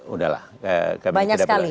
udahlah banyak sekali